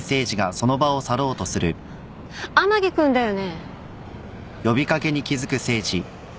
天樹君だよね？